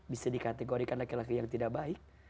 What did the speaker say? bisa dikategorikan laki laki yang tidak baik